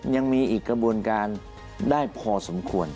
ยังมีอีกกระบวนการได้พอสมควร